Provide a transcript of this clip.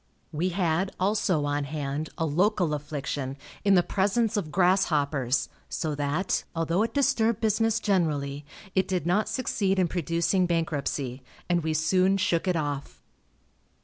We had, also, on hand a local affliction, in the presence of grasshoppers, so that, although it disturbed business generally, it did not succeed in producing bankruptcy, and we soon shook it off.